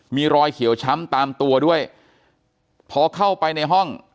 มีรอยเขียวช้ำตามตัวด้วยพอเข้าไปในห้อง